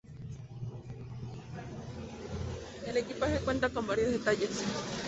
El equipaje cuenta con varios detalles.